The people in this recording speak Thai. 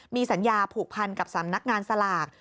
มีสัญญาผูกพันกับสำนักงานสลาก